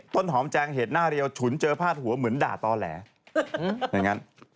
ต้นหอมแจงเหตุหน้าเรียวฉุนเจอผ้าดหัวเหมือนด่าตอแหล